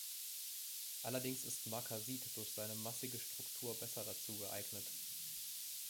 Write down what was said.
Allerdings ist Markasit durch seine massige Struktur besser dazu geeignet.